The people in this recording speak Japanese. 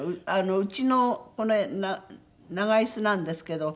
うちのこれ長椅子なんですけどソファの。